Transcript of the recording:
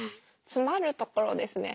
つまるところですね